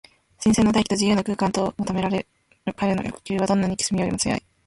新鮮な大気と自由な空間とを求めるかれの欲求は、どんな憎しみよりも強い。